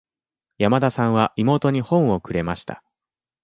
山田さんは妹に本をくれました。